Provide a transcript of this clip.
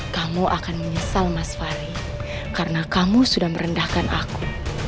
kamu akan menyesal mas fahri karena kamu sudah merendahkan aku